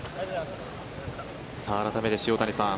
改めて塩谷さん